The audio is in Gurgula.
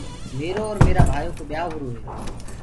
ميرو اور ميرآ ڀآئيو ڪو ٻيائوٚ هُرو هي۔